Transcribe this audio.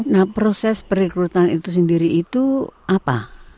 nah proses perekrutan itu sendiri itu apa